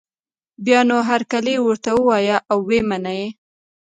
بیا نو هرکلی ورته وايي او مني یې